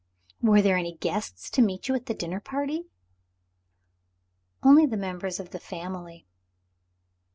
"Were there any guests to meet you at the dinner party?" "Only the members of the family."